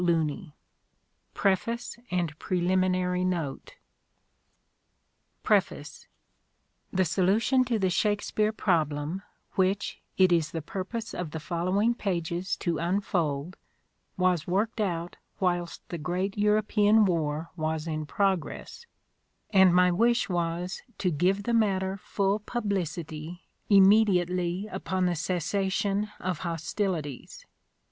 LONDON, W.C.i. FIRS T EDITION 1920 COPY RIGHT PREFACE THE solution to the Shakespeare problem, which it is the purpose of the following pages to unfold, was worked out whilst the Great European War was in progress ; and my wish was to give the matter full publicity immediately upon the cessation of hostilities.